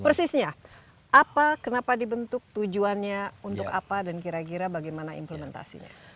persisnya apa kenapa dibentuk tujuannya untuk apa dan kira kira bagaimana implementasinya